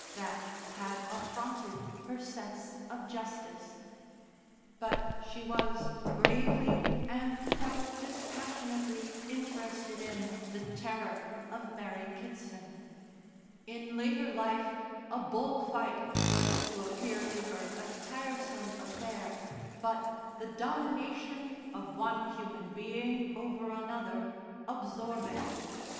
That had affronted her sense of justice. But she was gravely and quite dispassionately interested in the terror of Mary Kitson. In later life a bull fight was to appear to her a tiresome affair, but the domination of one human being over another, absorbing.